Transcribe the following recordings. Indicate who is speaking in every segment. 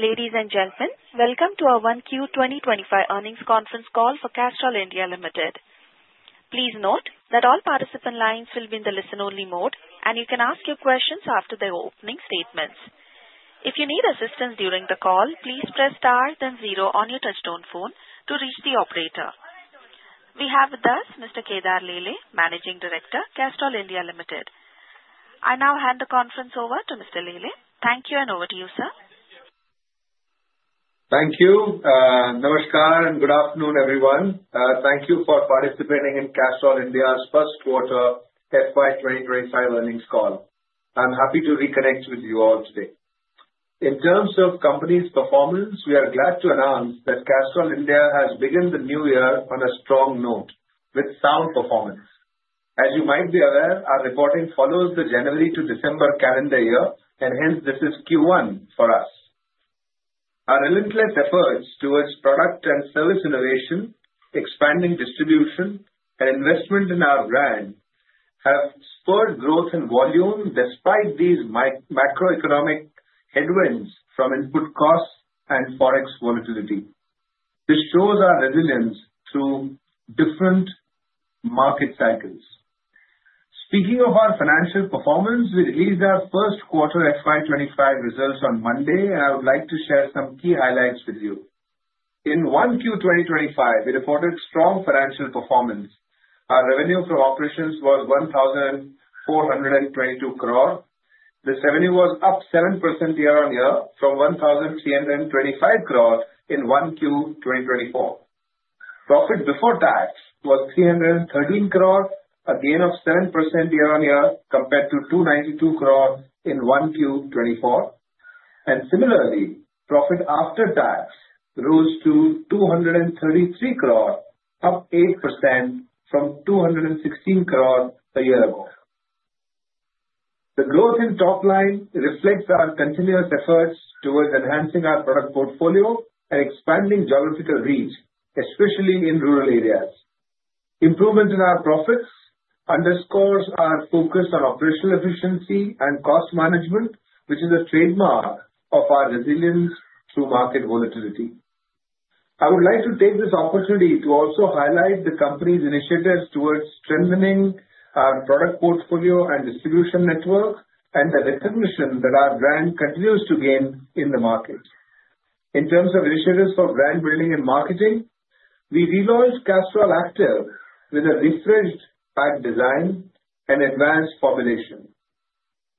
Speaker 1: Ladies and gentlemen, welcome to our 1Q 2025 earnings conference call for Castrol India Limited. Please note that all participant lines will be in the listen-only mode, and you can ask your questions after the opening statements. If you need assistance during the call, please press star then zero on your touchstone phone to reach the operator. We have with us Mr. Kedar Lele, Managing Director, Castrol India Limited. I now hand the conference over to Mr. Lele. Thank you, and over to you, sir.
Speaker 2: Thank you. Namaskar and good afternoon, everyone. Thank you for participating in Castrol India's first quarter FY 2025 earnings call. I'm happy to reconnect with you all today. In terms of company's performance, we are glad to announce that Castrol India has begun the new year on a strong note with sound performance. As you might be aware, our reporting follows the January to December calendar year, and hence this is Q1 for us. Our relentless efforts towards product and service innovation, expanding distribution, and investment in our brand have spurred growth and volume despite these microeconomic headwinds from input costs and forex volatility. This shows our resilience through different market cycles. Speaking of our financial performance, we released our first quarter FY 2025 results on Monday, and I would like to share some key highlights with you. In Q1 2025, we reported strong financial performance. Our revenue from operations was 1,422 crore. This revenue was up 7% year-on-year from 1,325 crore in Q1 2024. Profit before tax was 313 crore, a gain of 7% year-on-year compared to 292 crore in Q1 2024. Similarly, profit after tax rose to 233 crore, up 8% from 216 crore a year ago. The growth in top line reflects our continuous efforts towards enhancing our product portfolio and expanding geographical reach, especially in rural areas. Improvement in our profits underscores our focus on operational efficiency and cost management, which is a trademark of our resilience through market volatility. I would like to take this opportunity to also highlight the company's initiatives towards strengthening our product portfolio and distribution network and the recognition that our brand continues to gain in the market. In terms of initiatives for brand building and marketing, we relaunched Castrol Activ with a refreshed pack design and advanced formulation.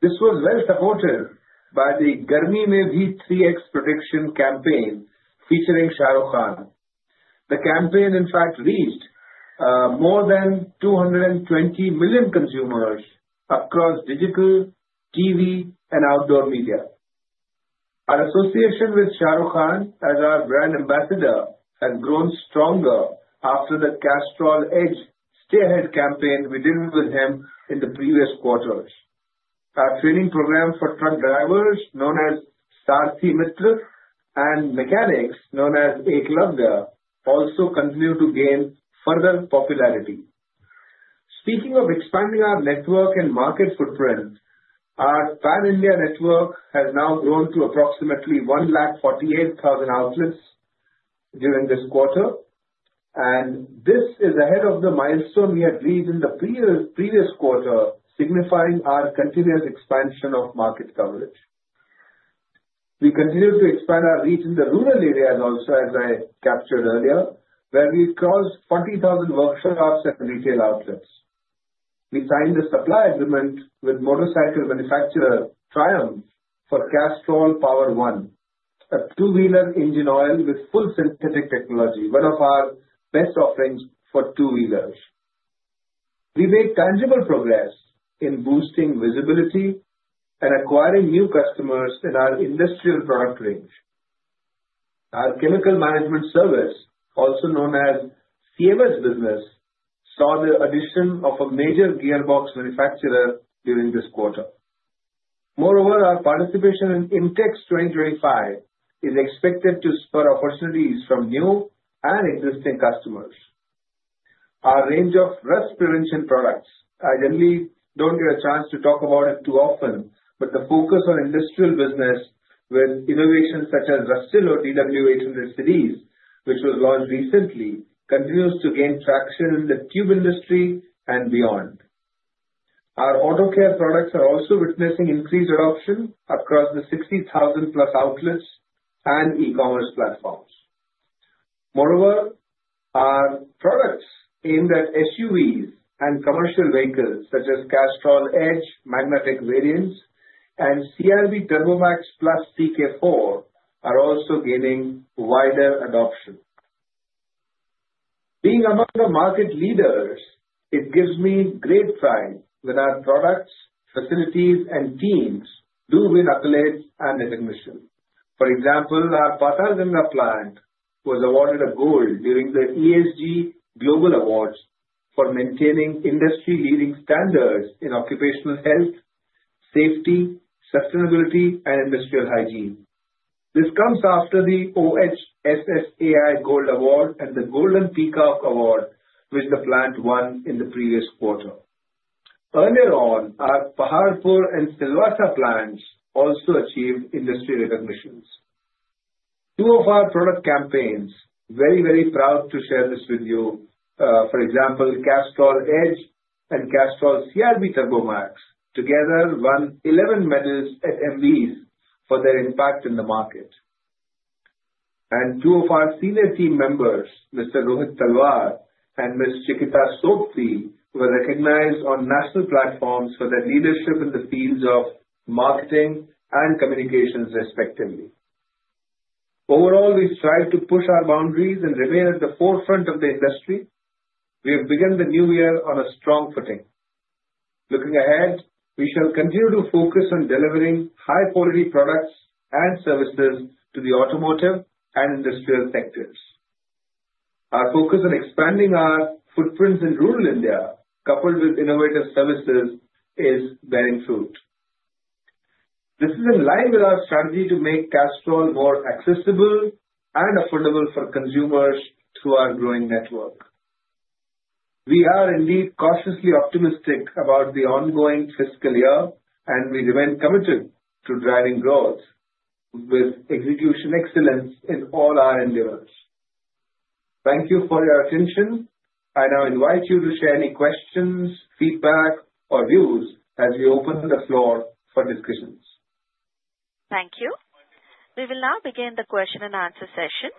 Speaker 2: This was well supported by the "Garni Me V3X" prediction campaign featuring Shah Rukh Khan. The campaign, in fact, reached more than 220 million consumers across digital, TV, and outdoor media. Our association with Shah Rukh Khan as our brand ambassador has grown stronger after the Castrol Edge Stay Ahead campaign we did with him in the previous quarters. Our training program for truck drivers, known as Sarathi Mitra, and mechanics, known as Eklavya, also continue to gain further popularity. Speaking of expanding our network and market footprint, our pan-India network has now grown to approximately 1,480,000 outlets during this quarter, and this is ahead of the milestone we had reached in the previous quarter, signifying our continuous expansion of market coverage. We continue to expand our reach in the rural areas also, as I captured earlier, where we've closed 40,000 workshops and retail outlets. We signed a supply agreement with motorcycle manufacturer Triumph for Castrol Power One, a two-wheeler engine oil with full synthetic technology, one of our best offerings for two-wheelers. We made tangible progress in boosting visibility and acquiring new customers in our industrial product range. Our chemical management service, also known as CMS business, saw the addition of a major gearbox manufacturer during this quarter. Moreover, our participation in IMTEX 2025 is expected to spur opportunities from new and existing customers. Our range of rust prevention products—I generally don't get a chance to talk about it too often, but the focus on industrial business with innovations such as Rustilo DW 800 series, which was launched recently, continues to gain traction in the tube industry and beyond. Our auto care products are also witnessing increased adoption across the 60,000-plus outlets and e-commerce platforms. Moreover, our products aimed at SUVs and commercial vehicles such as Castrol Edge Magnatec Variants and Castrol CRB TurboMax Plus CK-4 are also gaining wider adoption. Being among the market leaders, it gives me great pride when our products, facilities, and teams do win accolades and recognition. For example, our Patalganga plant was awarded a gold during the ESG Global Awards for maintaining industry-leading standards in occupational health, safety, sustainability, and industrial hygiene. This comes after the OHSSAI Gold Award and the Golden Peacock Award, which the plant won in the previous quarter. Earlier on, our Paharpur and Silvassa plants also achieved industry recognitions. Two of our product campaigns, very, very proud to share this with you, for example, Castrol Edge and Castrol CR-V TurboMax, together won 11 medals at Emvies for their impact in the market. Two of our senior team members, Mr. Rohit Talwar and Ms. Chikita Sopthi, were recognized on national platforms for their leadership in the fields of marketing and communications, respectively. Overall, we strive to push our boundaries and remain at the forefront of the industry. We have begun the new year on a strong footing. Looking ahead, we shall continue to focus on delivering high-quality products and services to the automotive and industrial sectors. Our focus on expanding our footprints in rural India, coupled with innovative services, is bearing fruit. This is in line with our strategy to make Castrol more accessible and affordable for consumers through our growing network. We are indeed cautiously optimistic about the ongoing fiscal year, and we remain committed to driving growth with execution excellence in all our endeavors. Thank you for your attention. I now invite you to share any questions, feedback, or views as we open the floor for discussions.
Speaker 1: Thank you. We will now begin the question and answer session.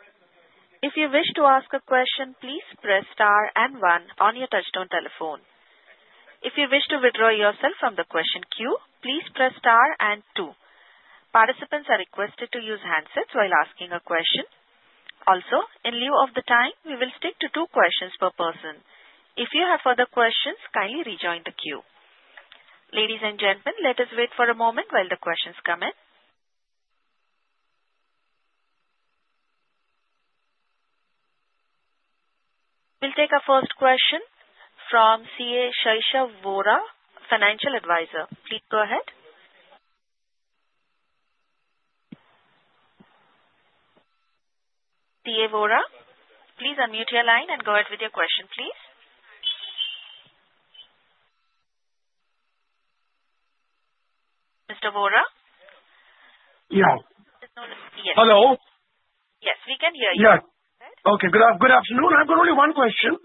Speaker 1: If you wish to ask a question, please press star and one on your touchstone telephone. If you wish to withdraw yourself from the question queue, please press star and two. Participants are requested to use handsets while asking a question. Also, in lieu of the time, we will stick to two questions per person. If you have further questions, kindly rejoin the queue. Ladies and gentlemen, let us wait for a moment while the questions come in. We'll take our first question from CA Shaishav Vora, financial advisor. Please go ahead. CA Vora, please unmute your line and go ahead with your question, please. Mr. Vora?
Speaker 3: Yes. Hello.
Speaker 1: Yes, we can hear you.
Speaker 3: Yes. Okay, good afternoon. I've got only one question.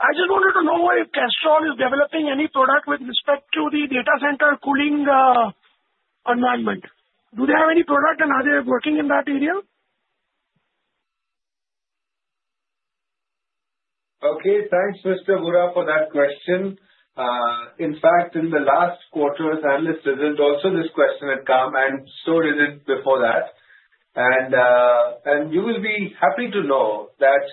Speaker 3: I just wanted to know why Castrol is developing any product with respect to the data center cooling environment. Do they have any product, and are they working in that area?
Speaker 2: Okay, thanks, Mr. Vora, for that question. In fact, in the last quarter's analyst visit, also this question had come, and so did it before that. You will be happy to know that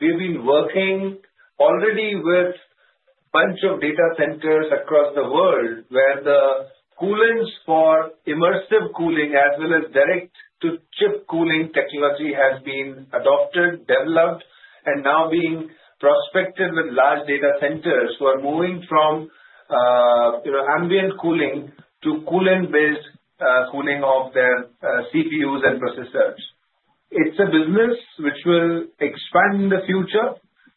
Speaker 2: we have been working already with a bunch of data centers across the world where the coolants for immersive cooling, as well as direct-to-chip cooling technology, have been adopted, developed, and now being prospected with large data centers who are moving from, you know, ambient cooling to coolant-based cooling of their CPUs and processors. It's a business which will expand in the future,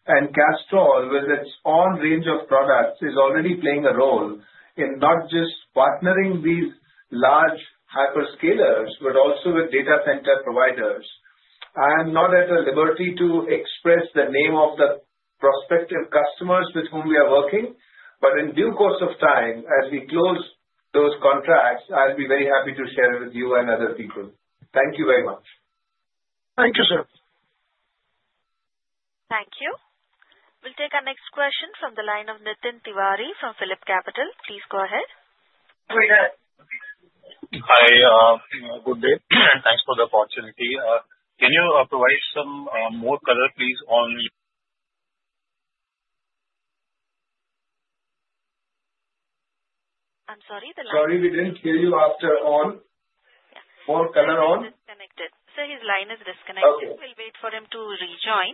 Speaker 2: and Castrol, with its own range of products, is already playing a role in not just partnering with these large hyperscalers, but also with data center providers. I am not at the liberty to express the name of the prospective customers with whom we are working, but in due course of time, as we close those contracts, I'll be very happy to share it with you and other people. Thank you very much.
Speaker 3: Thank you, sir.
Speaker 1: Thank you. We'll take our next question from the line of Nitin Tiwari from PhilipCapital. Please go ahead.
Speaker 4: Hi, good day. Thanks for the opportunity. Can you provide some more color, please, on?
Speaker 1: I'm sorry, the line?
Speaker 2: Sorry, we didn't hear you after all.
Speaker 1: Yeah.
Speaker 2: More color on?
Speaker 1: He's disconnected. His line is disconnected.
Speaker 2: Okay.
Speaker 1: We'll wait for him to rejoin.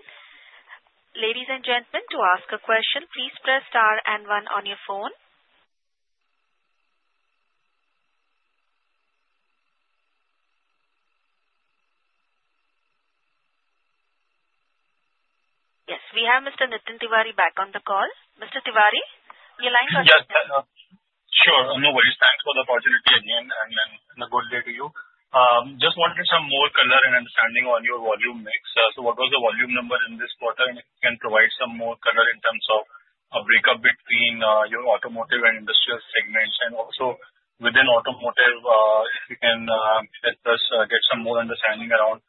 Speaker 1: Ladies and gentlemen, to ask a question, please press star and one on your phone. Yes, we have Mr. Nitin Tiwari back on the call. Mr. Tiwari, your line got cut off.
Speaker 4: Yes, sure. No worries. Thanks for the opportunity again, and a good day to you. Just wanted some more color and understanding on your volume mix. What was the volume number in this quarter, and if you can provide some more color in terms of a breakup between your automotive and industrial segments, and also within automotive, if you can help us get some more understanding around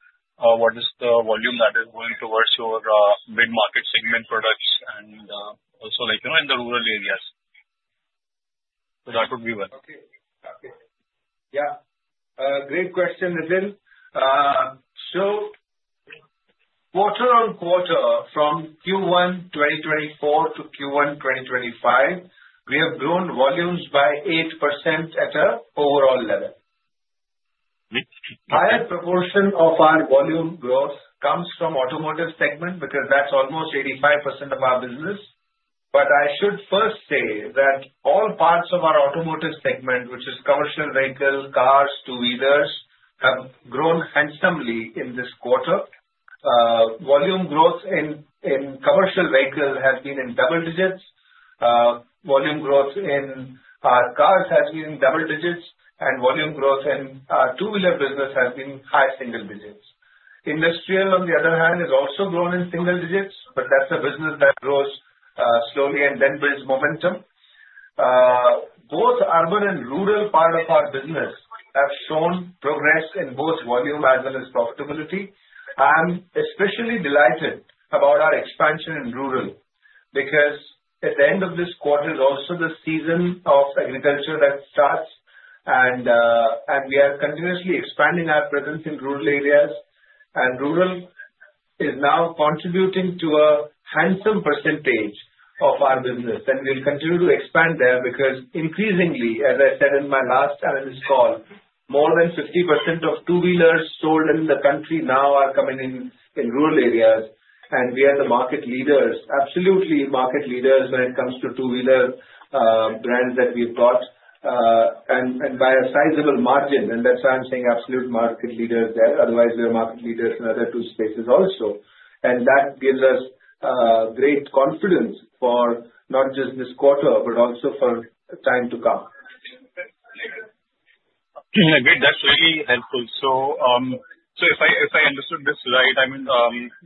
Speaker 4: what is the volume that is going towards your mid-market segment products and also, like, you know, in the rural areas. That would be one.
Speaker 2: Okay. Yeah, great question, Nitin. Quarter on quarter, from Q1 2024 to Q1 2025, we have grown volumes by 8% at an overall level. Higher proportion of our volume growth comes from the automotive segment because that's almost 85% of our business. I should first say that all parts of our automotive segment, which is commercial vehicles, cars, two-wheelers, have grown handsomely in this quarter. Volume growth in commercial vehicles has been in double digits. Volume growth in cars has been in double digits, and volume growth in two-wheeler business has been high single digits. Industrial, on the other hand, has also grown in single digits, but that's a business that grows slowly and then builds momentum. Both urban and rural parts of our business have shown progress in both volume as well as profitability. I'm especially delighted about our expansion in rural because at the end of this quarter is also the season of agriculture that starts, and we are continuously expanding our presence in rural areas, and rural is now contributing to a handsome percentage of our business. We'll continue to expand there because increasingly, as I said in my last analyst call, more than 50% of two-wheelers sold in the country now are coming in rural areas, and we are the market leaders, absolutely market leaders when it comes to two-wheeler brands that we've got, and by a sizable margin. That's why I'm saying absolute market leaders there; otherwise, we are market leaders in other two spaces also. That gives us great confidence for not just this quarter but also for time to come.
Speaker 4: Great. That's really helpful. If I understood this right, I mean,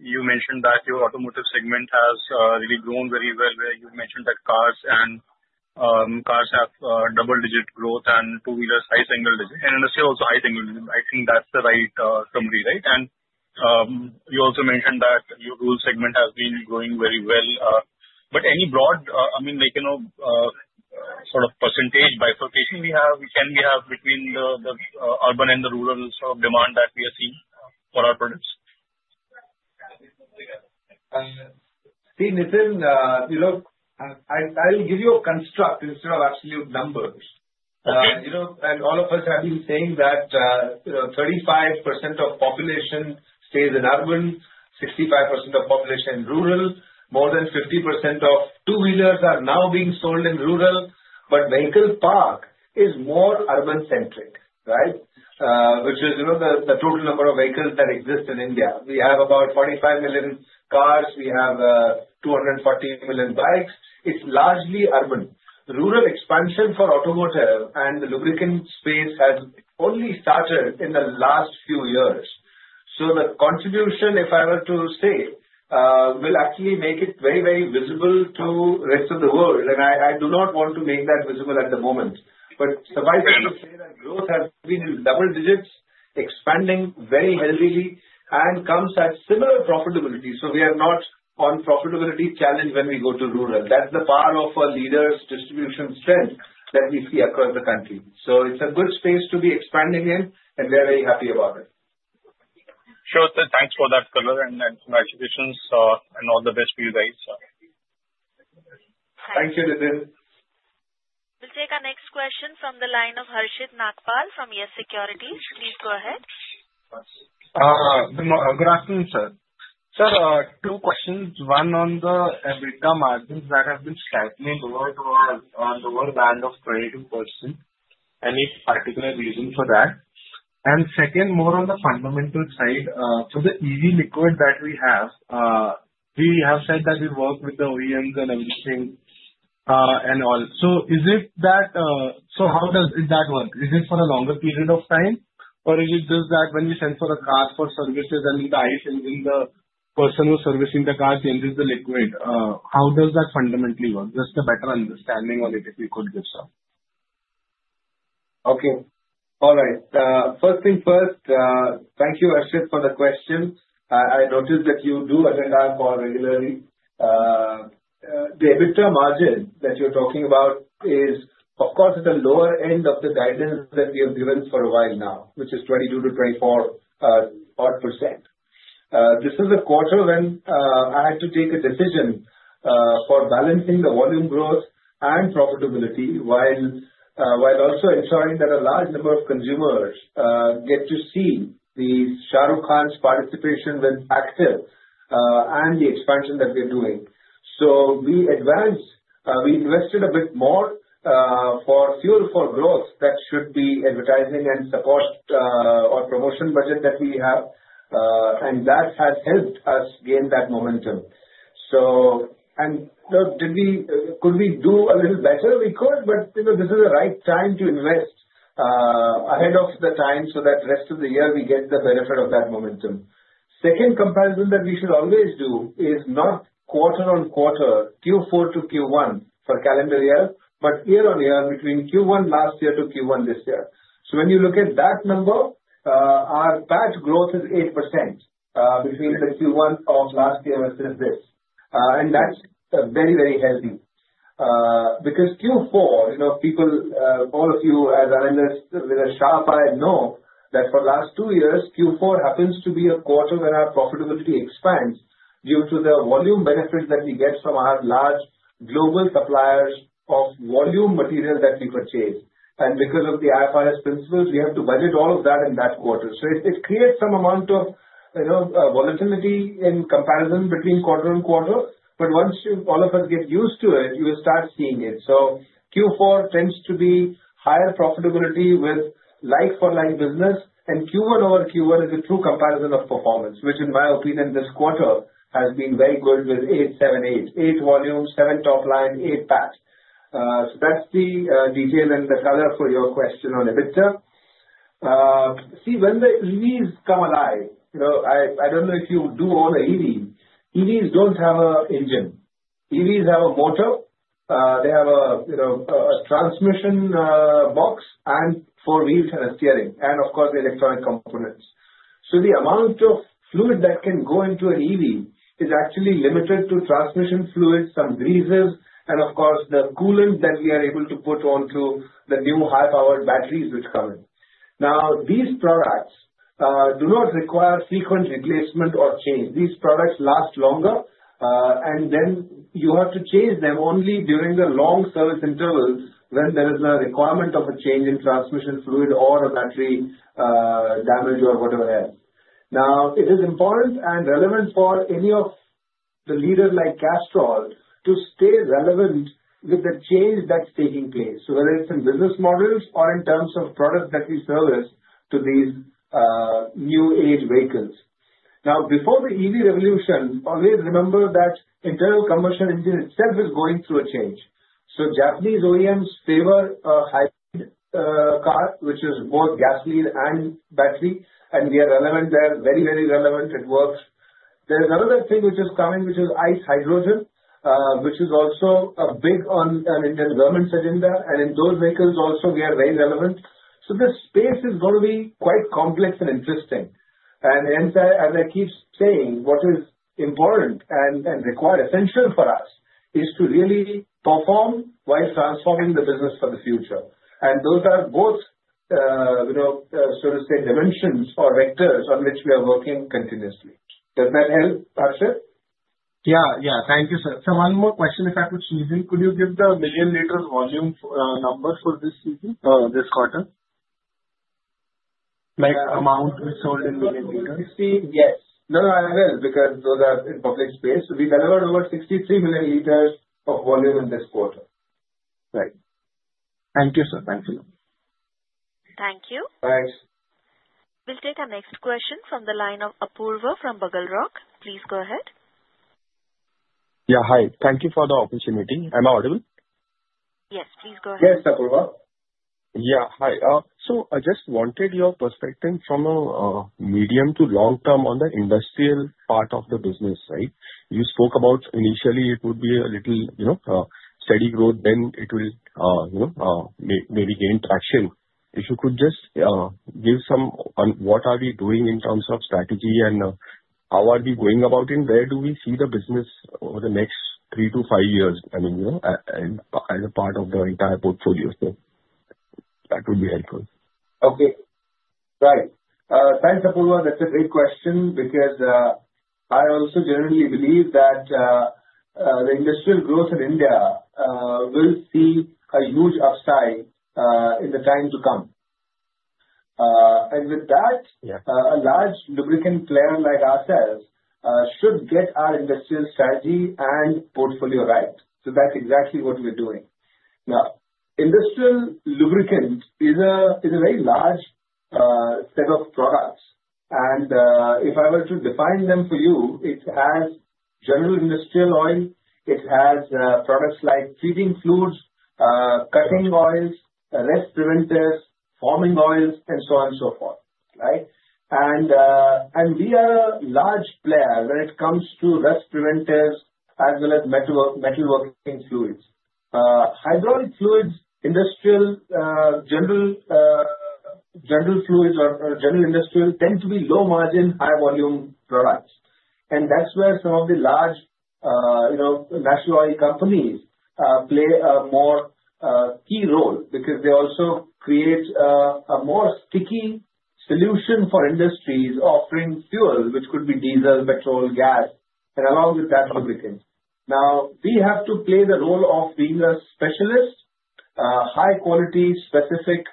Speaker 4: you mentioned that your automotive segment has really grown very well, where you mentioned that cars have double-digit growth and two-wheelers high single digit and still also high single digit. I think that's the right summary, right? You also mentioned that your rural segment has been growing very well. Any broad, I mean, like, you know, sort of percentage bifurcation we have, can we have between the urban and the rural sort of demand that we are seeing for our products?
Speaker 2: See, Nitin, you know, I, I'll give you a construct instead of absolute numbers.
Speaker 4: Okay.
Speaker 2: You know, and all of us have been saying that, you know, 35% of population stays in urban, 65% of population in rural, more than 50% of two-wheelers are now being sold in rural, but vehicle park is more urban-centric, right? Which is, you know, the total number of vehicles that exist in India. We have about 45 million cars. We have 240 million bikes. It's largely urban. Rural expansion for automotive and the lubricant space has only started in the last few years. The contribution, if I were to say, will actually make it very, very visible to the rest of the world. I do not want to make that visible at the moment. Suffice it to say that growth has been in double digits, expanding very heavily, and comes at similar profitability. We are not on profitability challenge when we go to rural. That's the power of our leader's distribution strength that we see across the country. It's a good space to be expanding in, and we are very happy about it.
Speaker 4: Sure. Thanks for that color, and congratulations, and all the best for you guys.
Speaker 1: Thank you.
Speaker 2: Thank you, Nitin.
Speaker 1: We'll take our next question from the line of Harshit Nagpal from Yes Securities. Please go ahead.
Speaker 5: Good afternoon, sir. Sir, two questions. One on the EBITDA margins that have been stagnant over the whole land of 22%. Any particular reason for that? Second, more on the fundamental side, for the EV liquid that we have, we have said that we work with the OEMs and everything, and all. Is it that, how does that work? Is it for a longer period of time, or is it just that when we send for a car for services, I mean, the ICE engine, the person who's servicing the car changes the liquid? How does that fundamentally work? Just a better understanding on it if you could give some.
Speaker 2: Okay. All right. First thing first, thank you, Harshit, for the question. I noticed that you do attend our call regularly. The EBITDA margin that you're talking about is, of course, at the lower end of the guidance that we have given for a while now, which is 22-24% odd. This is a quarter when I had to take a decision for balancing the volume growth and profitability while also ensuring that a large number of consumers get to see Shah Rukh Khan's participation with Active, and the expansion that we are doing. We advanced, we invested a bit more for fuel for growth that should be advertising and support, or promotion budget that we have, and that has helped us gain that momentum. You know, did we, could we do a little better? We could, but, you know, this is the right time to invest, ahead of the time so that the rest of the year we get the benefit of that momentum. The second comparison that we should always do is not quarter on quarter, Q4 to Q1 for calendar year, but year on year between Q1 last year to Q1 this year. When you look at that number, our batch growth is 8% between the Q1 of last year versus this, and that's very, very healthy, because Q4, you know, people, all of you as analysts with a sharp eye know that for the last two years, Q4 happens to be a quarter when our profitability expands due to the volume benefit that we get from our large global suppliers of volume material that we purchase. Because of the IFRS principles, we have to budget all of that in that quarter. It creates some amount of, you know, volatility in comparison between quarter and quarter. Once you all of us get used to it, you will start seeing it. Q4 tends to be higher profitability with like-for-like business, and Q1 over Q1 is a true comparison of performance, which in my opinion, this quarter has been very good with 878, 8 volume, 7 top line, 8 batch. That's the detail and the color for your question on EBITDA. See, when the EVs come alive, you know, I don't know if you do own a EV. EVs don't have an engine. EVs have a motor. They have a, you know, a transmission box and four wheels and a steering, and of course, the electronic components. The amount of fluid that can go into an EV is actually limited to transmission fluid, some greases, and of course, the coolant that we are able to put onto the new high-powered batteries which come in. Now, these products do not require frequent replacement or change. These products last longer, and then you have to change them only during the long service intervals when there is a requirement of a change in transmission fluid or a battery, damage or whatever else. It is important and relevant for any of the leaders like Castrol to stay relevant with the change that's taking place, whether it's in business models or in terms of products that we service to these new age vehicles. Now, before the EV revolution, always remember that internal combustion engine itself is going through a change. Japanese OEMs favor a hybrid car, which is both gasoline and battery, and we are relevant there, very, very relevant. It works. There's another thing which is coming, which is ICE hydrogen, which is also big on Indian government's agenda, and in those vehicles also, we are very relevant. The space is going to be quite complex and interesting. As I keep saying, what is important and required, essential for us is to really perform while transforming the business for the future. Those are both, you know, so to say, dimensions or vectors on which we are working continuously. Does that help, Harshit?
Speaker 5: Yeah. Yeah. Thank you, sir. One more question, if I could sneak in. Could you give the million-liter volume number for this season, this quarter? Like amount we sold in million liters?
Speaker 2: Yes. No, I will because those are in public space. We delivered over 63 million liters of volume in this quarter.
Speaker 5: Right. Thank you, sir. Thank you.
Speaker 1: Thank you.
Speaker 5: Thanks.
Speaker 1: We'll take our next question from the line of Apurva from. Please go ahead.
Speaker 6: Yeah. Hi. Thank you for the opportunity. Am I audible?
Speaker 1: Yes. Please go ahead.
Speaker 6: Yeah. Hi. I just wanted your perspective from a medium to long term on the industrial part of the business, right? You spoke about initially it would be a little, you know, steady growth, then it will, you know, maybe gain traction. If you could just give some on what are we doing in terms of strategy and how are we going about it, and where do we see the business over the next three to five years, I mean, you know, and as a part of the entire portfolio. That would be helpful.
Speaker 2: Okay. Right. Thanks, Apurva. That's a great question because I also generally believe that the industrial growth in India will see a huge upside in the time to come, and with that a large lubricant player like ourselves should get our industrial strategy and portfolio right. That is exactly what we are doing. Now, industrial lubricant is a very large set of products. If I were to define them for you, it has general industrial oil. It has products like treating fluids, cutting oils, rust preventers, forming oils, and so on and so forth, right? We are a large player when it comes to rust preventers as well as metal working fluids. Hydraulic fluids, industrial, general, general fluids or general industrial tend to be low margin, high volume products. That is where some of the large, you know, natural oil companies play a more key role because they also create a more sticky solution for industries offering fuel, which could be diesel, petrol, gas, and along with that lubricant. Now, we have to play the role of being a specialist, high-quality, specific,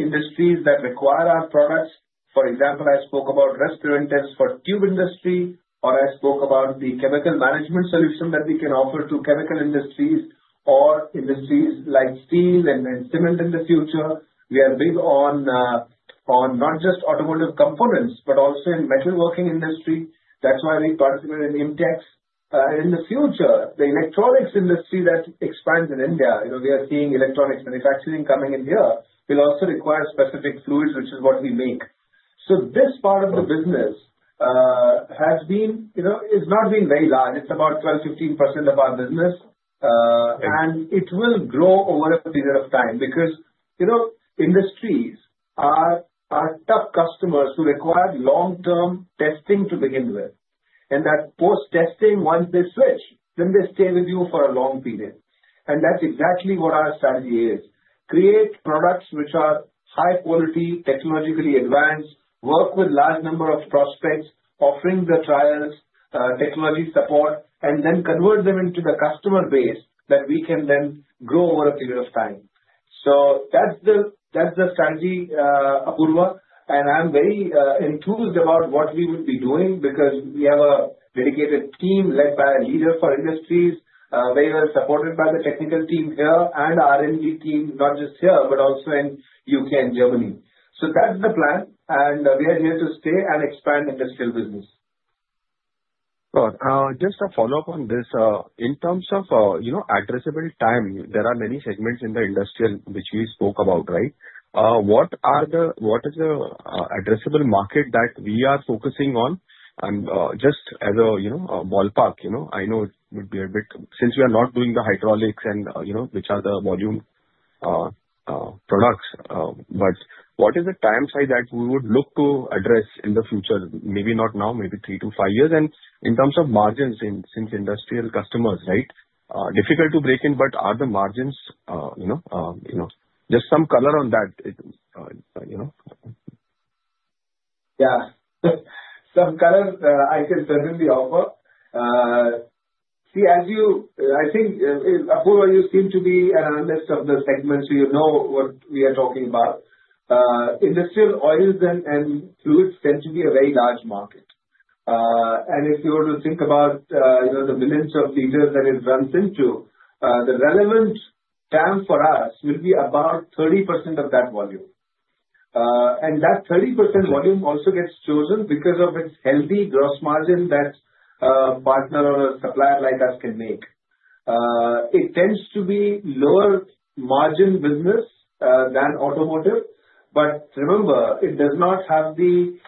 Speaker 2: industries that require our products. For example, I spoke about rust preventers for tube industry, or I spoke about the chemical management solution that we can offer to chemical industries or industries like steel and cement in the future. We are big on not just automotive components but also in metal working industry. That's why we participate in IMTEX. In the future, the electronics industry that expands in India, you know, we are seeing electronics manufacturing coming in here, will also require specific fluids, which is what we make. So this part of the business has been, you know, is not being very large. It's about 12-15% of our business, and it will grow over a period of time because, you know, industries are tough customers who require long-term testing to begin with. After testing, once they switch, then they stay with you for a long period. That's exactly what our strategy is: create products which are high-quality, technologically advanced, work with a large number of prospects, offering the trials, technology support, and then convert them into the customer base that we can then grow over a period of time. That's the strategy, Apurva. I'm very enthused about what we would be doing because we have a dedicated team led by a leader for industries, very well supported by the technical team here and our R&D team, not just here but also in the U.K. and Germany. That's the plan, and we are here to stay and expand industrial business.
Speaker 6: All right. Just a follow-up on this. In terms of, you know, addressable time, there are many segments in the industrial which we spoke about, right? What are the, what is the, addressable market that we are focusing on? Just as a, you know, a ballpark, you know, I know it would be a bit since we are not doing the hydraulics and, you know, which are the volume products, but what is the time side that we would look to address in the future? Maybe not now, maybe three to five years. In terms of margins in, since industrial customers, right, difficult to break in, but are the margins, you know, you know, just some color on that, you know?
Speaker 2: Yeah. Some color, I can certainly offer. See, as you, I think, Apurva, you seem to be an analyst of the segment, so you know what we are talking about. Industrial oils and, and fluids tend to be a very large market. And if you were to think about, you know, the millions of liters that it runs into, the relevant TAM for us will be about 30% of that volume. And that 30% volume also gets chosen because of its healthy gross margin that a partner or a supplier like us can make. It tends to be lower margin business than automotive. But remember, it does not have the,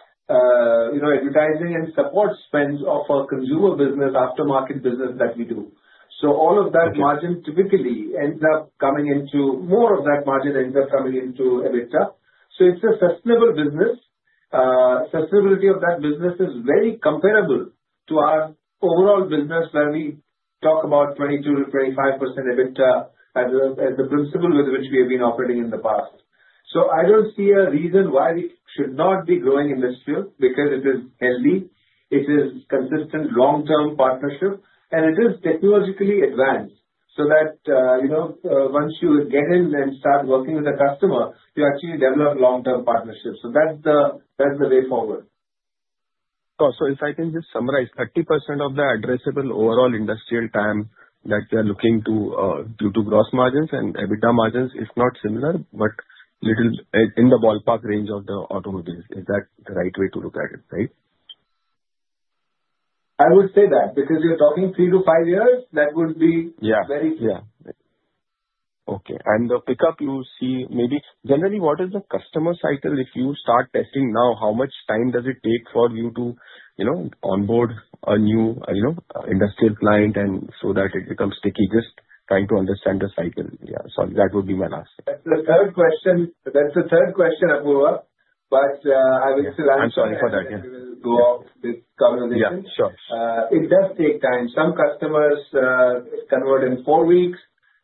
Speaker 2: you know, advertising and support spends of a consumer business, aftermarket business that we do. All of that margin typically ends up coming into more of that margin ends up coming into EBITDA. It is a sustainable business. Sustainability of that business is very comparable to our overall business where we talk about 22-25% EBITDA as a, as the principle with which we have been operating in the past. I do not see a reason why we should not be growing industrial because it is healthy, it is consistent long-term partnership, and it is technologically advanced so that, you know, once you get in and start working with a customer, you actually develop long-term partnerships. That is the way forward.
Speaker 6: Of course. If I can just summarize, 30% of the addressable overall industrial TAM that we are looking to, due to gross margins and EBITDA margins, is not similar but a little in the ballpark range of the automobiles. Is that the right way to look at it, right?
Speaker 2: I would say that because you're talking three to five years, that would be.
Speaker 6: Yeah.
Speaker 2: Very good.
Speaker 6: Yeah. Okay. The pickup you see, maybe generally, what is the customer cycle? If you start testing now, how much time does it take for you to, you know, onboard a new, you know, industrial client so that it becomes sticky? Just trying to understand the cycle. Yeah. Sorry. That would be my last.
Speaker 2: That's the third question, Apurva. But I will still answer.
Speaker 6: I'm sorry for that. Yeah.
Speaker 2: If we will go off this conversation, it does take time. Some customers convert in four weeks.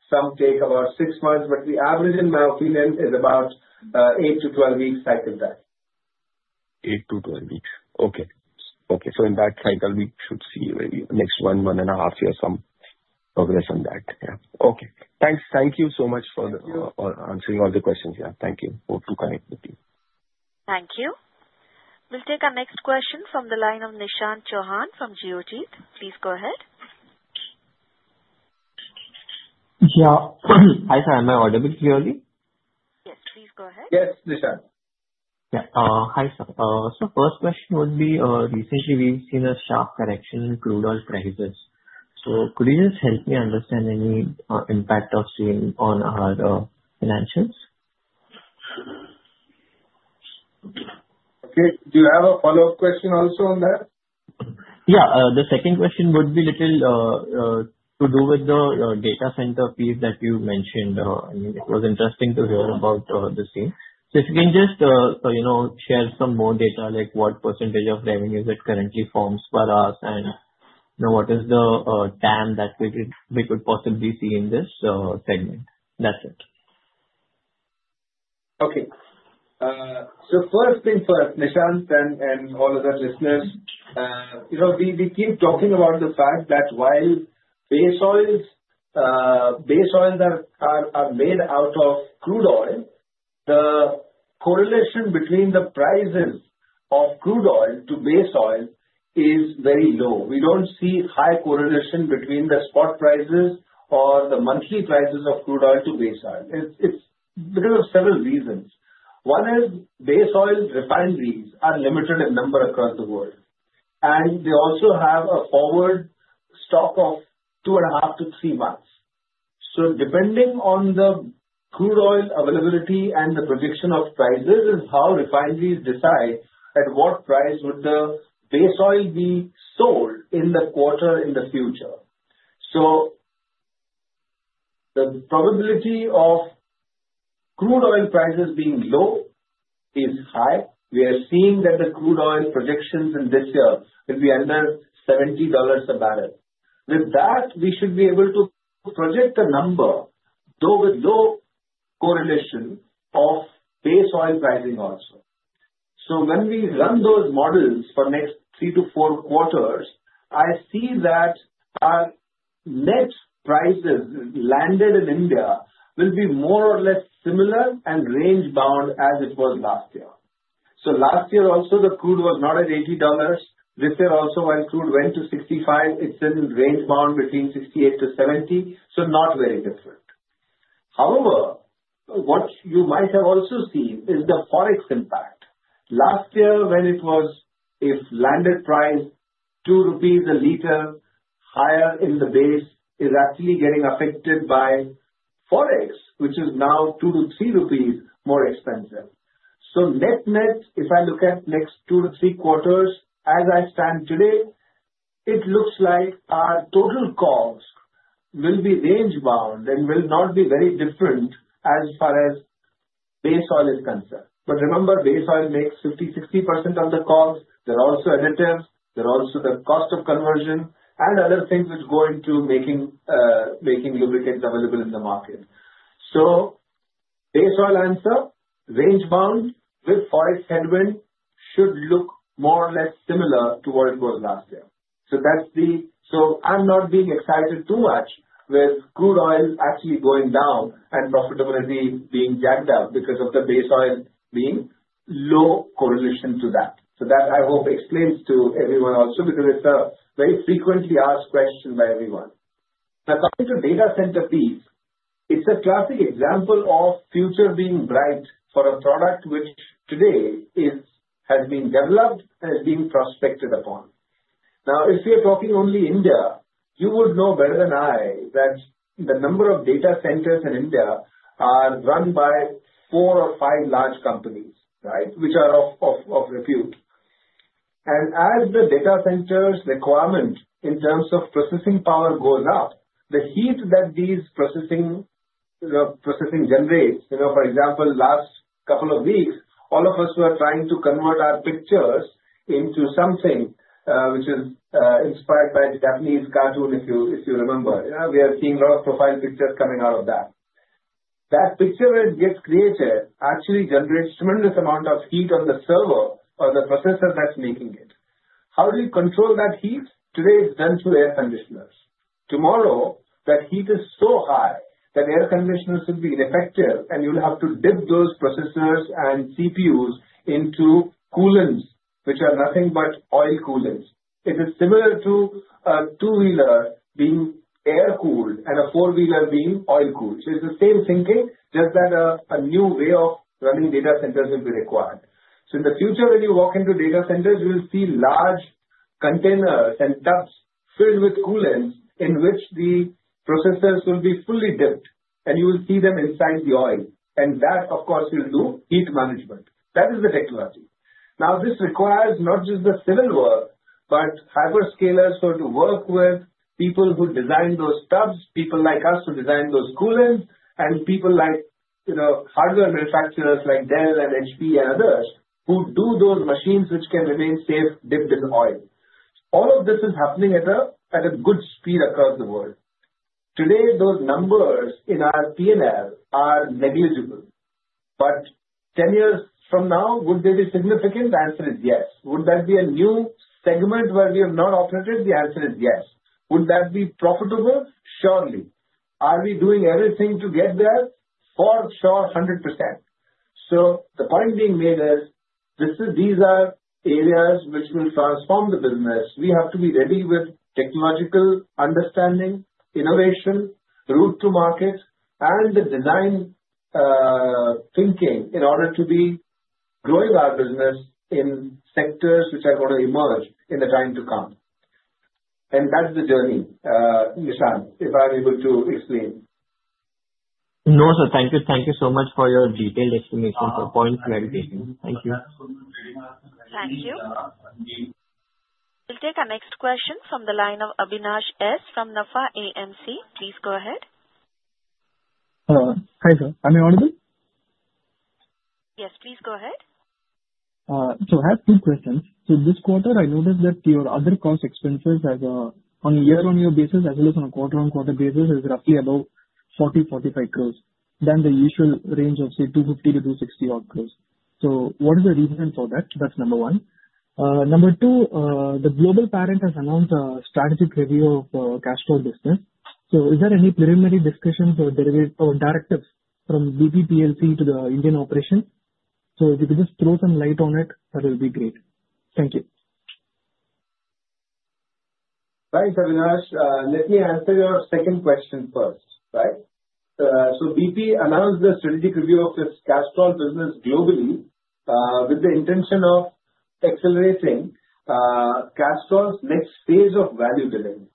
Speaker 2: Some take about six months. The average, in my opinion, is about 8-12 weeks cycle time.
Speaker 6: Eight to twelve weeks. Okay. Okay. In that cycle, we should see maybe next one, one and a half years, some progress on that. Yeah. Okay. Thanks. Thank you so much for answering all the questions. Yeah. Thank you. Hope to connect with you.
Speaker 1: Thank you. We'll take our next question from the line of Nishant Chauhan from Geotech. Please go ahead.
Speaker 7: Yeah. Hi, sir. Am I audible clearly?
Speaker 1: Yes. Please go ahead.
Speaker 2: Yes, Nishant.
Speaker 7: Yeah. Hi, sir. First question would be, recently we've seen a sharp correction in crude oil prices. Could you just help me understand any impact of seeing on our financials?
Speaker 2: Okay. Do you have a follow-up question also on that?
Speaker 7: Yeah. The second question would be a little, to do with the, data center piece that you mentioned. I mean, it was interesting to hear about, the same. If you can just, you know, share some more data, like what percentage of revenues it currently forms for us and, you know, what is the TAM that we could, we could possibly see in this, segment. That's it.
Speaker 2: Okay. So first thing first, Nishant and all of the listeners, you know, we keep talking about the fact that while base oils, base oils are made out of crude oil, the correlation between the prices of crude oil to base oil is very low. We do not see high correlation between the spot prices or the monthly prices of crude oil to base oil. It is because of several reasons. One is base oil refineries are limited in number across the world, and they also have a forward stock of two and a half to three months. So depending on the crude oil availability and the prediction of prices is how refineries decide at what price would the base oil be sold in the quarter in the future. The probability of crude oil prices being low is high. We are seeing that the crude oil projections in this year will be under $70 a barrel. With that, we should be able to project the number, though with low correlation of base oil pricing also. When we run those models for the next three to four quarters, I see that our net prices landed in India will be more or less similar and range-bound as it was last year. Last year also, the crude was not at $80. This year also, when crude went to $65, it is in range-bound between $68-$70, not very different. However, what you might have also seen is the forex impact. Last year, when it was, if landed price 2 rupees a liter higher in the base is actually getting affected by forex, which is now 2-3 rupees more expensive. Net-net, if I look at next two to three quarters as I stand today, it looks like our total cost will be range-bound and will not be very different as far as base oil is concerned. Remember, base oil makes 50-60% of the cost. There are also additives. There are also the cost of conversion and other things which go into making, making lubricants available in the market. Base oil answer range-bound with forex headwind should look more or less similar to what it was last year. I'm not being excited too much with crude oil actually going down and profitability being jagged up because of the base oil being low correlation to that. I hope that explains to everyone also because it's a very frequently asked question by everyone. Now, coming to data center piece, it's a classic example of future being bright for a product which today is, has been developed and is being prospected upon. Now, if we are talking only India, you would know better than I that the number of data centers in India are run by four or five large companies, right, which are of repute. As the data center's requirement in terms of processing power goes up, the heat that these processing generates, you know, for example, last couple of weeks, all of us were trying to convert our pictures into something, which is inspired by the Japanese cartoon, if you remember. Yeah. We are seeing a lot of profile pictures coming out of that. That picture that gets created actually generates a tremendous amount of heat on the server or the processor that's making it. How do you control that heat? Today, it's done through air conditioners. Tomorrow, that heat is so high that air conditioners will be ineffective, and you'll have to dip those processors and CPUs into coolants, which are nothing but oil coolants. It is similar to a two-wheeler being air-cooled and a four-wheeler being oil-cooled. It's the same thinking, just that a new way of running data centers will be required. In the future, when you walk into data centers, you'll see large containers and tubs filled with coolants in which the processors will be fully dipped, and you will see them inside the oil. That, of course, will do heat management. That is the technology. Now, this requires not just the civil work but hyperscalers who are to work with people who design those tubs, people like us who design those coolants, and people like, you know, hardware manufacturers like Dell and HP and others who do those machines which can remain safe dipped in oil. All of this is happening at a good speed across the world. Today, those numbers in our P&L are negligible. Ten years from now, would they be significant? The answer is yes. Would that be a new segment where we have not operated? The answer is yes. Would that be profitable? Surely. Are we doing everything to get there? For sure, 100%. The point being made is this is, these are areas which will transform the business. We have to be ready with technological understanding, innovation, route to market, and the design, thinking in order to be growing our business in sectors which are going to emerge in the time to come. That's the journey, Nishant, if I'm able to explain.
Speaker 7: No, sir. Thank you. Thank you so much for your detailed explanation for points verification. Thank you.
Speaker 1: Thank you. We'll take our next question from the line of Abinash S. from NAFA AMC. Please go ahead.
Speaker 8: Hello. Hi, sir. Am I audible?
Speaker 1: Yes. Please go ahead.
Speaker 8: I have two questions. This quarter, I noticed that your other cost expenses on a year-on-year basis as well as on a quarter-on-quarter basis is roughly about 40-45 crore more than the usual range of, say, 250-260 crore. What is the reason for that? That's number one. Number two, the global parent has announced a strategic review of the Castrol business. Is there any preliminary discussions or directives from BP plc to the Indian operation? If you could just throw some light on it, that would be great. Thank you.
Speaker 2: Thanks, Abhinash. Let me answer your second question first, right? BP announced the strategic review of its Castrol business globally, with the intention of accelerating Castrol's next phase of value delivery.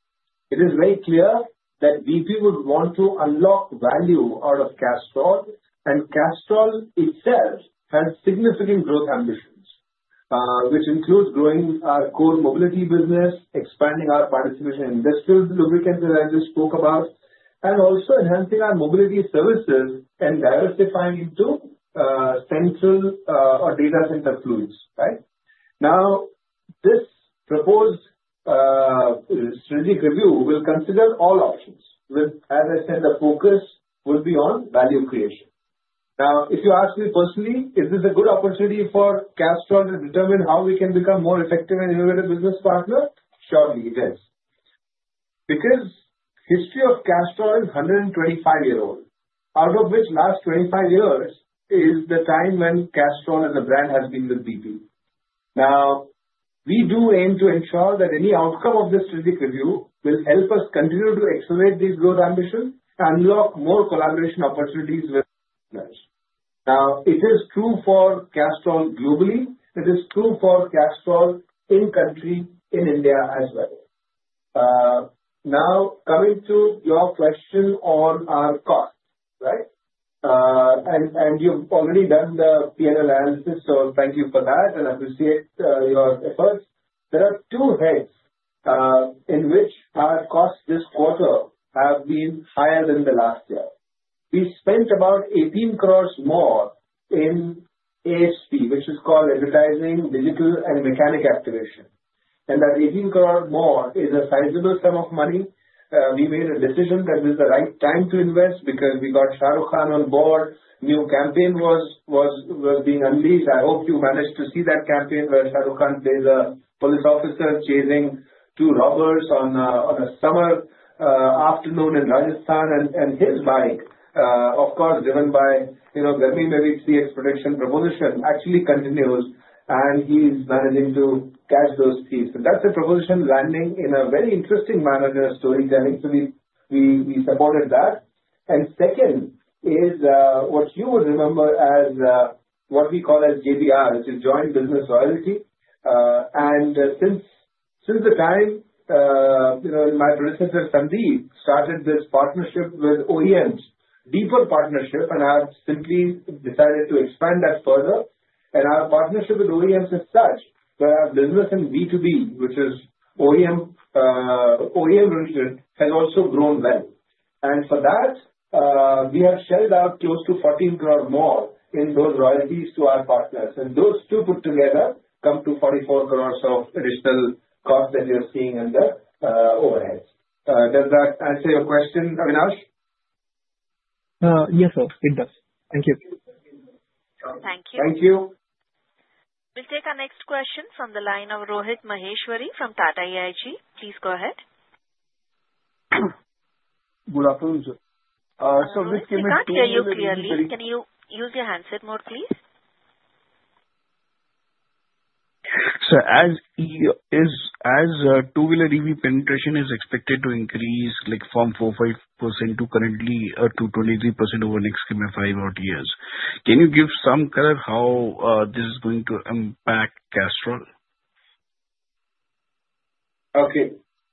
Speaker 2: It is very clear that BP would want to unlock value out of Castrol, and Castrol itself has significant growth ambitions, which includes growing our core mobility business, expanding our participation in industrial lubricants that I just spoke about, and also enhancing our mobility services and diversifying into central, or data center fluids, right? Now, this proposed strategic review will consider all options with, as I said, the focus will be on value creation. Now, if you ask me personally, is this a good opportunity for Castrol to determine how we can become more effective and innovative business partner? Surely, it is. Because history of Castrol is 125 years old, out of which last 25 years is the time when Castrol as a brand has been with BP. Now, we do aim to ensure that any outcome of this strategic review will help us continue to accelerate these growth ambitions, unlock more collaboration opportunities with partners. Now, it is true for Castrol globally. It is true for Castrol in country, in India as well. Now coming to your question on our cost, right? And, and you've already done the P&L analysis, so thank you for that, and I appreciate your efforts. There are two heads in which our costs this quarter have been higher than the last year. We spent about 180,000,000 more in ASP, which is called Advertising, Digital, and Mechanic Activation. And that 180,000,000 more is a sizable sum of money. We made a decision that this is the right time to invest because we got Shah Rukh Khan on board. New campaign was being unleashed. I hope you managed to see that campaign where Shah Rukh Khan plays a police officer chasing two robbers on a summer afternoon in Rajasthan, and his bike, of course, driven by, you know, Garmi Mein Bhi 3X Protection Proposition, actually continues, and he's managing to catch those thieves. That's a proposition landing in a very interesting manner in our storytelling. We supported that. Second is, what you would remember as what we call as JBL, which is Joint Business Loyalty. Since the time, you know, my predecessor, Sandeep, started this partnership with OEMs, deeper partnership, I have simply decided to expand that further. Our partnership with OEMs is such that our business in B2B, which is OEM, OEM-related, has also grown well. For that, we have shelled out close to 14 crore more in those royalties to our partners. Those two put together come to 44 crore of additional cost that you're seeing in the overheads. Does that answer your question, Abinash?
Speaker 8: Yes, sir. It does. Thank you.
Speaker 1: Thank you.
Speaker 2: Thank you.
Speaker 1: We'll take our next question from the line of Rohit Maheshwari from NTT. Please go ahead.
Speaker 9: Good afternoon, sir. This came in.
Speaker 1: If we can't hear you clearly, can you use your handset mode, please?
Speaker 9: As you is, as, two-wheeler EV penetration is expected to increase, like, from 45% to currently, to 23% over the next given five or eight years. Can you give some color how, this is going to impact cash flow?
Speaker 2: Okay.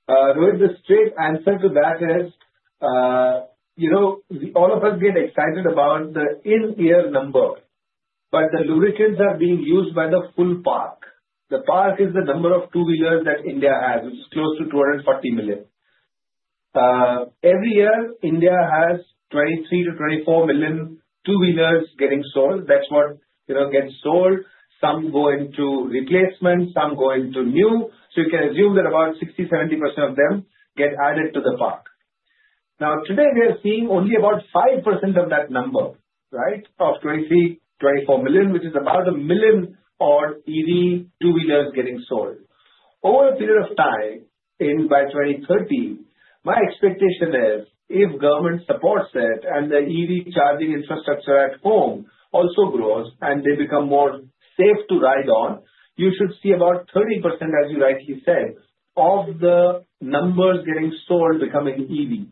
Speaker 2: Rohit, the straight answer to that is, you know, all of us get excited about the in-year number, but the lubricants are being used by the full park. The park is the number of two-wheelers that India has, which is close to 240 million. Every year, India has 23-24 million two-wheelers getting sold. That's what, you know, gets sold. Some go into replacement, some go into new. You can assume that about 60-70% of them get added to the park. Now, today, we are seeing only about 5% of that number, right, of 23-24 million, which is about a million odd EV two-wheelers getting sold. Over a period of time, by 2030, my expectation is, if government supports it and the EV charging infrastructure at home also grows and they become more safe to ride on, you should see about 30%, as you rightly said, of the numbers getting sold becoming EV,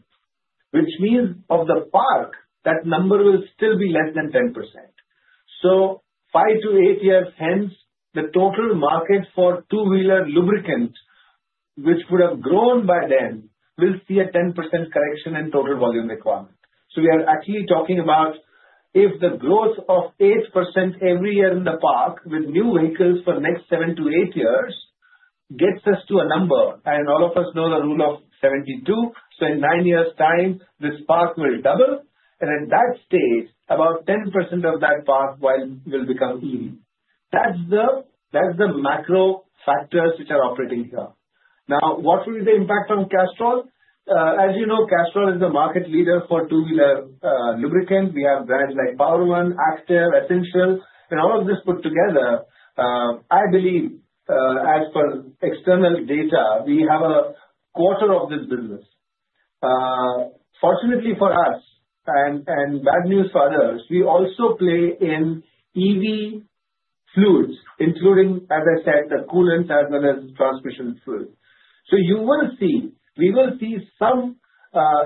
Speaker 2: which means of the park, that number will still be less than 10%. Five to eight years hence, the total market for two-wheeler lubricant, which would have grown by then, will see a 10% correction in total volume requirement. We are actually talking about if the growth of 8% every year in the park with new vehicles for the next seven to eight years gets us to a number, and all of us know the rule of 72, in nine years' time, this park will double. At that stage, about 10% of that park will become EV. That's the macro factors which are operating here. Now, what will be the impact on cash flow? As you know, Castrol is the market leader for two-wheeler lubricant. We have brands like Power One, Active, Essential, and all of this put together, I believe, as per external data, we have a quarter of this business. Fortunately for us, and bad news for others, we also play in EV fluids, including, as I said, the coolants as well as the transmission fluids. You will see, we will see some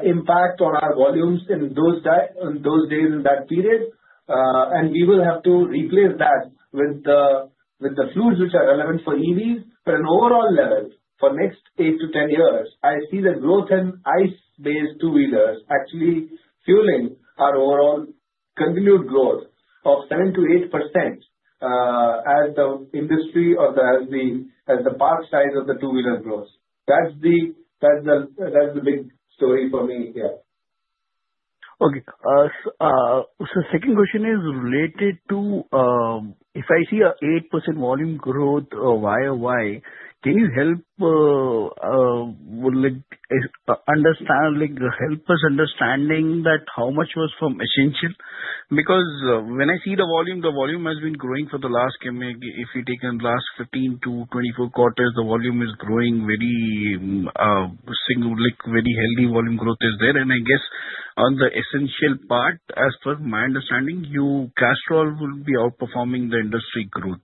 Speaker 2: impact on our volumes in those days in that period, and we will have to replace that with the fluids which are relevant for EVs. On an overall level, for the next eight to ten years, I see the growth in ICE-based two-wheelers actually fueling our overall continued growth of 7-8%, as the industry or the, as the, as the park size of the two-wheeler grows. That's the, that's the, that's the big story for me here.
Speaker 9: Okay. The second question is related to, if I see an 8% volume growth, why, why? Can you help, like, understand, like, help us understanding that how much was for Essential? Because when I see the volume, the volume has been growing for the last, if you take in the last 15 to 24 quarters, the volume is growing very, single, like, very healthy volume growth is there. I guess on the Essential part, as per my understanding, your cash flow will be outperforming the industry growth.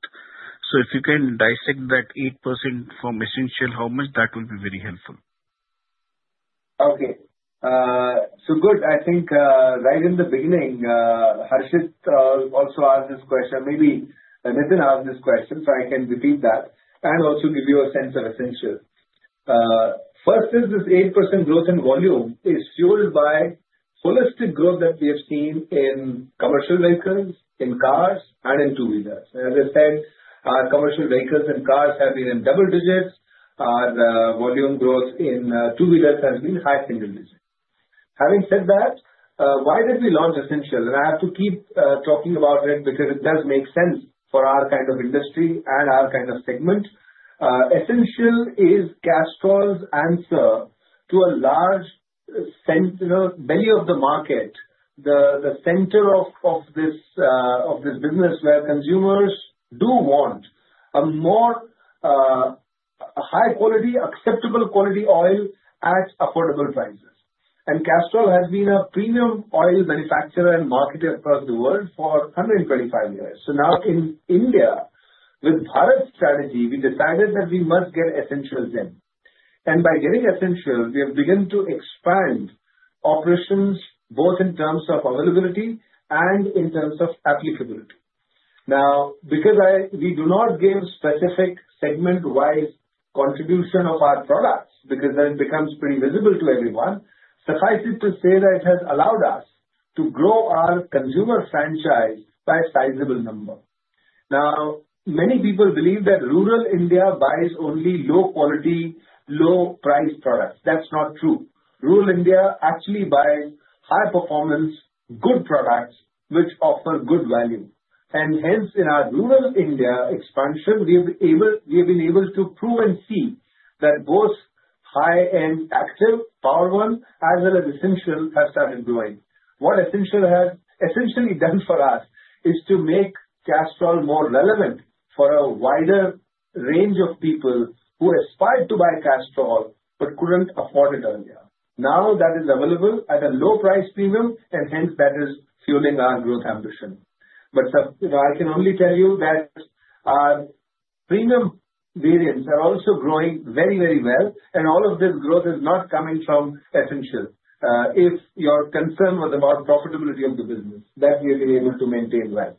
Speaker 9: If you can dissect that 8% from Essential, how much that will be very helpful?
Speaker 2: Okay. Good. I think, right in the beginning, Harshit also asked this question. Maybe Nitin asked this question, so I can repeat that and also give you a sense of Essential. First is this 8% growth in volume is fueled by holistic growth that we have seen in commercial vehicles, in cars, and in two-wheelers. As I said, our commercial vehicles and cars have been in double digits. Our volume growth in two-wheelers has been high single digits. Having said that, why did we launch Essential? I have to keep talking about it because it does make sense for our kind of industry and our kind of segment. Essential is Castrol's answer to a large central belly of the market, the center of this business where consumers do want a more high-quality, acceptable quality oil at affordable prices. Castrol has been a premium oil manufacturer and marketer across the world for 125 years. Now in India, with Bharat strategy, we decided that we must get Essential then. By getting Essential, we have begun to expand operations both in terms of availability and in terms of applicability. Now, because we do not give specific segment-wise contribution of our products because then it becomes pretty visible to everyone, suffice it to say that it has allowed us to grow our consumer franchise by a sizable number. Many people believe that rural India buys only low-quality, low-priced products. That's not true. Rural India actually buys high-performance, good products which offer good value. Hence, in our rural India expansion, we have been able to prove and see that both high-end Active, Power One, as well as Essential have started growing. What Essential has essentially done for us is to make Castrol more relevant for a wider range of people who aspired to buy Castrol but couldn't afford it earlier. Now that is available at a low price premium, and hence that is fueling our growth ambition. You know, I can only tell you that our premium variants are also growing very, very well, and all of this growth is not coming from Essential. If your concern was about profitability of the business, that we have been able to maintain well.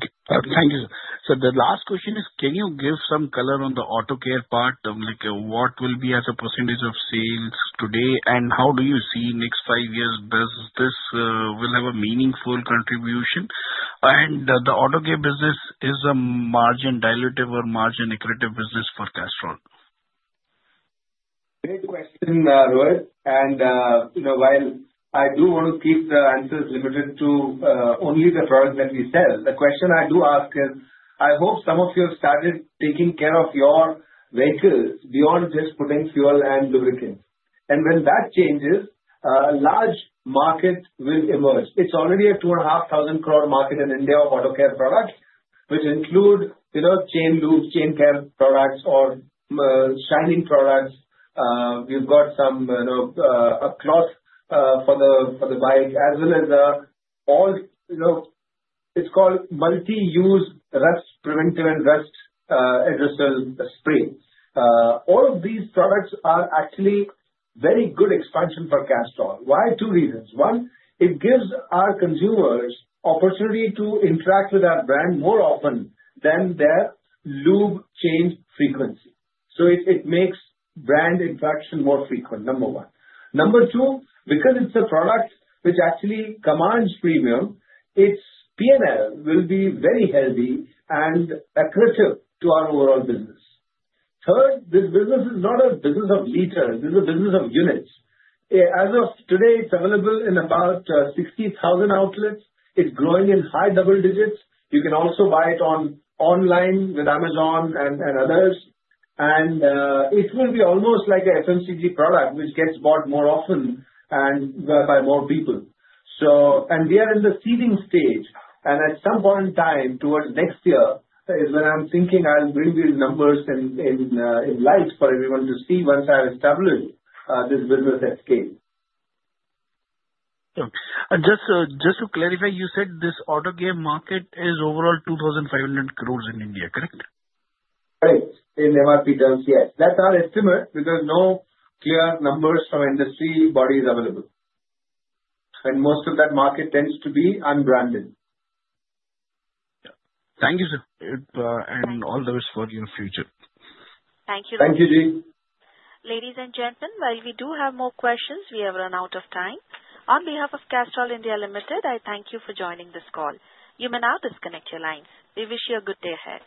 Speaker 9: Thank you. The last question is, can you give some color on the auto care part, like, what will be as a percentage of sales today, and how do you see next five years' business, will have a meaningful contribution? The auto care business is a margin dilutive or margin accretive business for Castrol?
Speaker 2: Great question, Rohit. You know, while I do want to keep the answers limited to only the products that we sell, the question I do ask is, I hope some of you have started taking care of your vehicles beyond just putting fuel and lubricants. When that changes, a large market will emerge. It's already a 2,500 crore market in India of auto care products, which include, you know, chain lube, chain care products, or shining products. We've got some, you know, a cloth for the bike, as well as, all, you know, it's called multi-use rust preventive and rust adversarial spray. All of these products are actually very good expansion for Castrol. Why? Two reasons. One, it gives our consumers opportunity to interact with our brand more often than their lube change frequency. It makes brand interaction more frequent, number one. Number two, because it's a product which actually commands premium, its P&L will be very healthy and accretive to our overall business. Third, this business is not a business of liters. This is a business of units. As of today, it's available in about 60,000 outlets. It's growing in high double digits. You can also buy it online with Amazon and others. It will be almost like an FMCG product which gets bought more often and by more people. We are in the seeding stage, and at some point in time towards next year is when I'm thinking I'll bring these numbers in light for everyone to see once I've established this business at scale.
Speaker 9: Just to clarify, you said this auto game market is overall 2,500 crore in India, correct?
Speaker 2: Correct. In MRP terms, yes. That is our estimate because no clear numbers from industry bodies available. Most of that market tends to be unbranded.
Speaker 9: Thank you, sir. All the best for your future.
Speaker 1: Thank you.
Speaker 2: Thank you, Rohit.
Speaker 1: Ladies and gentlemen, while we do have more questions, we have run out of time. On behalf of Castrol India Limited, I thank you for joining this call. You may now disconnect your lines. We wish you a good day ahead.